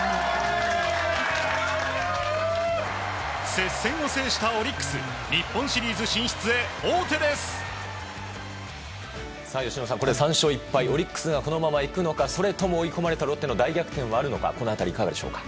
接戦を制したオリックス由伸さん、３勝１敗とオリックスがこのままいくのかそれとも追い込まれたロッテの大逆転はあるのかこの辺りはいかがですか。